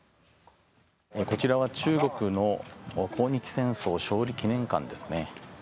こちらは中国の抗日戦争勝利記念館です。